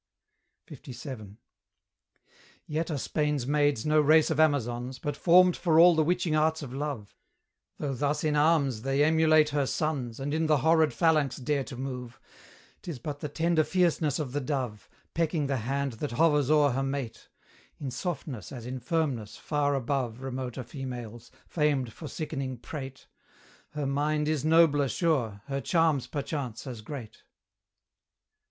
LVII. Yet are Spain's maids no race of Amazons, But formed for all the witching arts of love: Though thus in arms they emulate her sons, And in the horrid phalanx dare to move, 'Tis but the tender fierceness of the dove, Pecking the hand that hovers o'er her mate: In softness as in firmness far above Remoter females, famed for sickening prate; Her mind is nobler sure, her charms perchance as great.